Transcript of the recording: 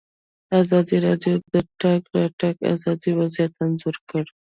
ازادي راډیو د د تګ راتګ ازادي وضعیت انځور کړی.